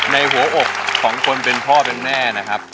ในหัวอกของคนเป็นพ่อเป็นแม่นะครับ